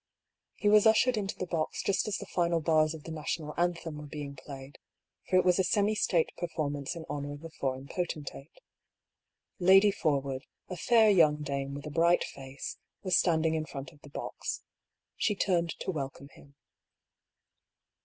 He was ushered into the box just as the final bars of the National Anthem were being played, for it was a semi State performance in honour of a foreign potentate. Lady Forwood, a fair young dame with a bright face, was standing in front of the box. She turned to welcome him.